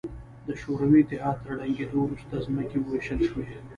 د شوروي اتحاد تر ړنګېدو وروسته ځمکې ووېشل شوې.